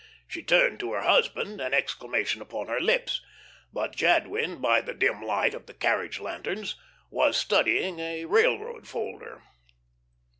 She turned to her husband, an exclamation upon her lips; but Jadwin, by the dim light of the carriage lanterns, was studying a railroad folder.